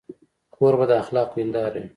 کوربه د اخلاقو هنداره وي.